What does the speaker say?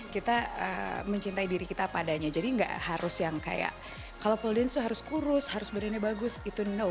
kita mencintai diri kita padanya jadi nggak harus yang kayak kalau pole dance harus kurus harus badannya bagus itu no